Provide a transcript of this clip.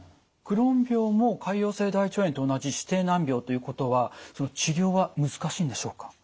クローン病も潰瘍性大腸炎と同じ指定難病ということはその治療は難しいんでしょうか？